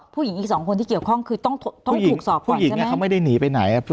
ผู้หญิงอีกสองคนที่เกี่ยวข้องคือต้องต้องถูกสอบผู้หญิงผู้หญิงเนี้ยเขาไม่ได้หนีไปไหนอ่ะ